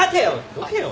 どけよ。